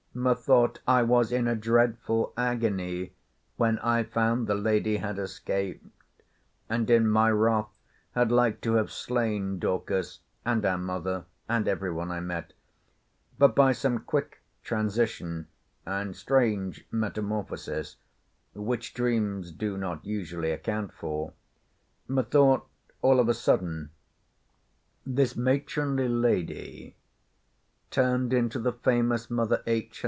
Methought I was in a dreadful agony, when I found the lady had escaped, and in my wrath had like to have slain Dorcas, and our mother, and every one I met. But, by some quick transition, and strange metamorphosis, which dreams do not usually account for, methought, all of a sudden, this matronly lady turned into the famous mother H.